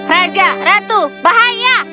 raja ratu bahaya